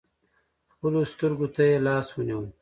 خپلو سترکو تې لاس ونیوئ .